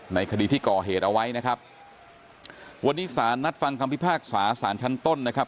ในคดีที่ก่อเหตุเอาไว้นะครับวันนี้สารนัดฟังคำพิพากษาสารชั้นต้นนะครับ